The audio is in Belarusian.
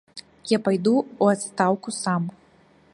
Я пайду ў адстаўку сам.